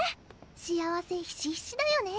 幸せひしひしだよね